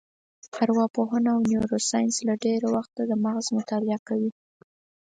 ارواپوهنه او نیورو ساینس له ډېره وخته د مغز مطالعه کوي.